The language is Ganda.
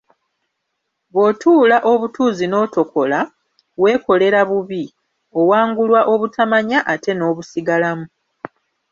Bw'otuula obutuuzi n'otokola, weekolera bubi, owangulwa obutamanya ate n'obusigalamu.